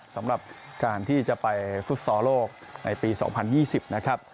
สำหรับการที่จะไปฟุตซอลโลกในปี๒๐๒๐นะครับ